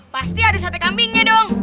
pasti ada sate kambingnya dong